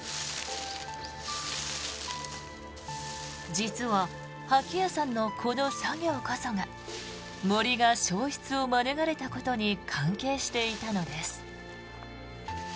実は、掃き屋さんのこの作業こそが杜が焼失を免れたことに関係していたのです。